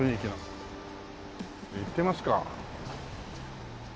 行ってみますか。